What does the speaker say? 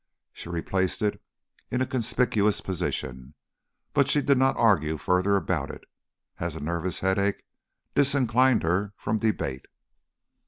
She replaced it in a conspicuous position. But she did not argue further about it, as a nervous headache disinclined her from debate.